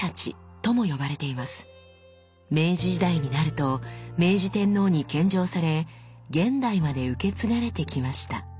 明治時代になると明治天皇に献上され現代まで受け継がれてきました。